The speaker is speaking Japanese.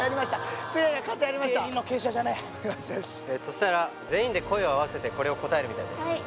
しそしたら全員で声を合わせてこれを答えるみたいです